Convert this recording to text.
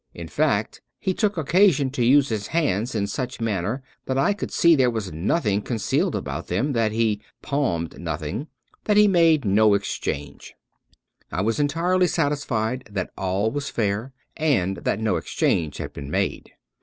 In fact he took occasion to use his hands in such manner that I could see there was nothing concealed about them, that he " palmed " nothing, and that he made no exchange. I was entirely satisfied that all was fair, and that no exchange had been made.